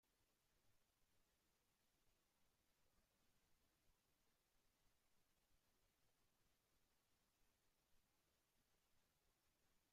Su compañero de escritura frecuente en "Smallville" es Brian Peterson.